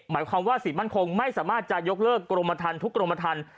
ไม่สามารถยกเลิกทุกกรมทัน